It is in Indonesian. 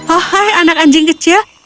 oh hai anak anjing kecil